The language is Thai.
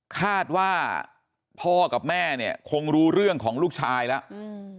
คาดว่าพ่อกับแม่เนี่ยคงรู้เรื่องของลูกชายแล้วอืม